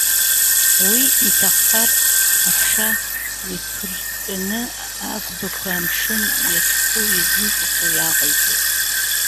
Уи иҭаххар, аԥша еиқәыртәаны аӷбақәа амшын иахьху изымҵысуа иааҟаиҵоит.